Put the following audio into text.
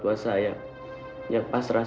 biar sayamu berhasil bangkit